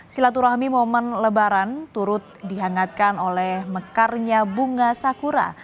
silaturahmi momen lebaran turut dihangatkan oleh mekarnya bunga sakura